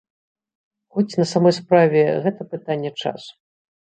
Хоць, на самой справе, гэта пытанне часу.